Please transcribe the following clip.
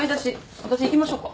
あたし行きましょうか？